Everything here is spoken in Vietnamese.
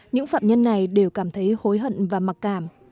những phạm nhân này đều cảm thấy hối hận và mặc cảm